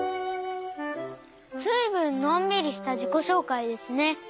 ずいぶんのんびりしたじこしょうかいですね。